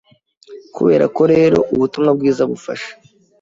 Kuberako rero Ubutumwa Bwiza bufasha